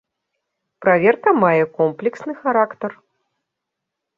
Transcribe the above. Праверка мае комплексны характар.